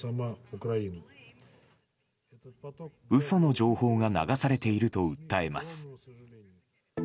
嘘の情報が流されていると訴えます。